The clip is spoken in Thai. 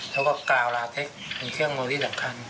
แล้วก็กล่าวลาเทคเป็นเครื่องมือที่สำคัญ